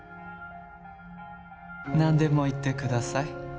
何でも言ってください